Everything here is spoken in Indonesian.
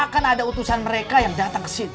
akan ada utusan mereka yang datang kesini